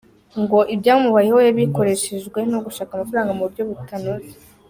Ngo ‘ibyamubayeho yabikoreshejwe no gushaka amafaranga mu buryo butanoze’.